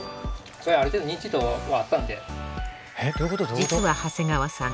実は長谷川さん